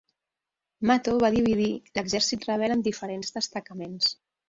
Matho va dividir l'exèrcit rebel en diferents destacaments.